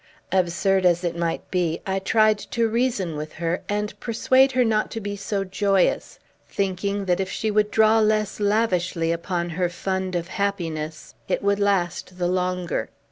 Absurd as it might be, I tried to reason with her, and persuade her not to be so joyous, thinking that, if she would draw less lavishly upon her fund of happiness, it would last the longer.